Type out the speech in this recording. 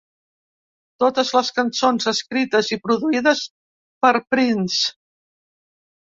Totes les cançons escrites i produïdes per Prince.